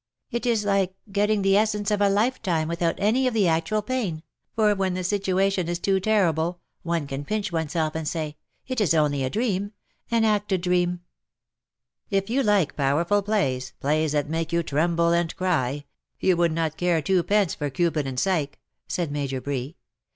It is like getting the essence 188 IN SOCIETY. of a lifetime without any of the actual pain — for when the situation is too terrible, one can pinch oneself and say — it is only a dream — an acted dream/^ " If you like powerful plays — plays that make you tremble and cry — you would not care twopence for ^ Cupid and Psyche/ " said Major Bree.